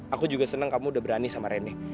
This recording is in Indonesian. aku juga senang kamu udah berani sama rene